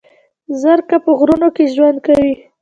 زرکه په غرونو کې ژوند کوي